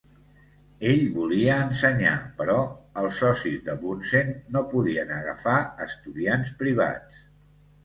Ell volia ensenyar, però els socis de Bunsen no podien agafar estudiants privats.